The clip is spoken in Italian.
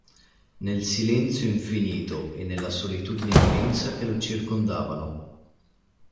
Nel silenzio infinito e nella solitudine immensa che lo circondavano.